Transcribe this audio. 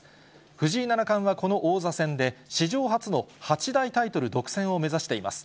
藤井七冠はこの王座戦で、史上初の八大タイトル独占を目指しています。